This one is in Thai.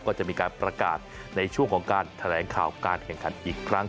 ก็จะมีการประกาศในช่วงของการแถลงข่าวการแข่งขันอีกครั้ง